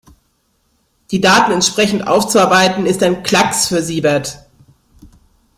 Die Daten entsprechend aufzubereiten, ist ein Klacks für Siebert.